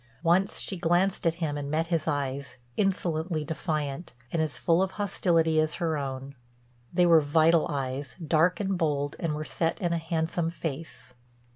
Once she glanced at him and met his eyes, insolently defiant, and as full of hostility as her own. They were vital eyes, dark and bold, and were set in a handsome face.